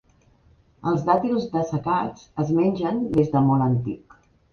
Els dàtils dessecats es mengen des de molt antic.